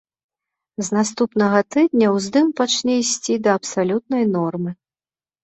З наступнага тыдня уздым пачне ісці да абсалютнай нормы.